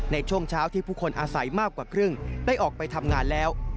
ในช่วงเช้าที่ผู้คนอาศัยมากกว่าครึ่งได้ออกไปทำงานแล้ว